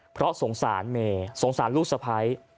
เพราะสงสารเมย์สงสารลูกสะพ้าย